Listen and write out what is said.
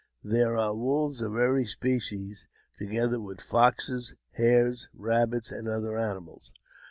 There are wolves of every species, together with foxes, hares, rabbits, and other animals.